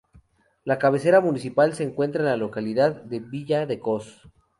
La cabecera municipal se encuentra en la localidad de Villa de Cos.